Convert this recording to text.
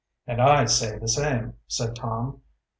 "And I say the same," said Tom.